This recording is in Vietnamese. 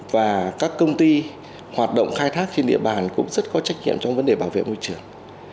và các công ty hoạt động khai thác trên địa bàn cũng rất có trách nhiệm trong vấn đề bảo vệ môi trường